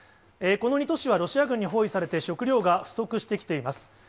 この２都市はロシア軍に包囲されて、食料が不足してきています。